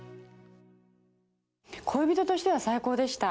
恋人としては最高でした。